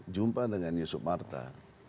jumpa dengan yusuf martak